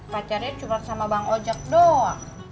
pacarnya cuma sama bang odak doang